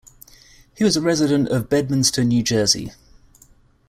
He was a resident of Bedminster, New Jersey.